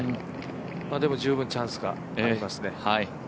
でも十分チャンスがありますね。